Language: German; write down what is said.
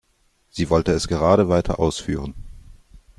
Sie wollte es gerade weiter ausführen.